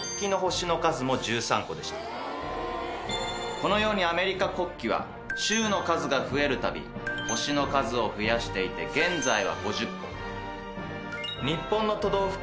このようにアメリカ国旗は州の数が増えるたび星の数を増やしていて現在は５０個。